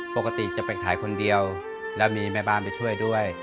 ปกติจะไปขายคนเดียวแล้วมีแม่บ้านไปช่วยด้วย